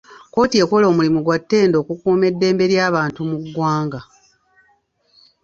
Ekkooti ekola omulimu gwa ttendo okukuuma eddembe ly'abantu mu ggwanga.